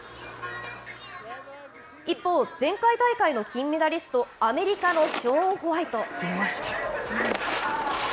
一方、前回大会の金メダリスト、アメリカのショーン・ホワイト。